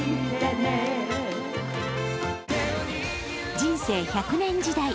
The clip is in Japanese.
人生１００年時代